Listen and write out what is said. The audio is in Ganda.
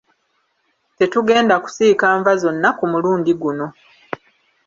Tetugenda kusiika nva zonna ku mulundi guno.